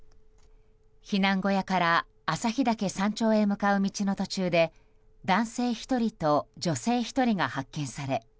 避難小屋から朝日岳山頂へ向かう道の途中で男性１人と女性１人が発見され